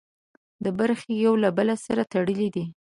دا برخې یو له بل سره تړلي دي.